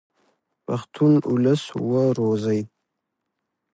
پښتون اولس و روزئ.